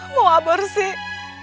mau abor sih